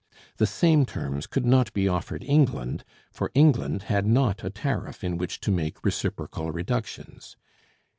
The same terms could not be offered England, for England had not a tariff in which to make reciprocal reductions.